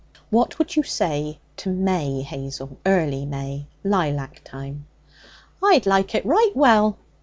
'What would you say to May, Hazel, early May lilac time?' 'I'd like it right well.'